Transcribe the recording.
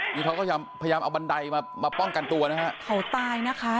นี่เขาก็พยายามเอาบันไดมามาป้องกันตัวนะฮะเขาตายนะคะ